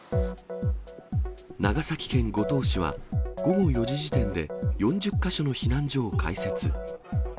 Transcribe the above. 長崎県五島市は午後４時時点で、４０か所の避難所を開設。